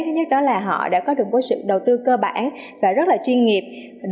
thứ nhất đó là họ đã có được một sự đầu tư cơ bản và rất là chuyên nghiệp